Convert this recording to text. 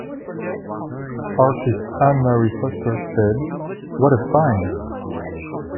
Artist Ann Marie Foster said, What a find!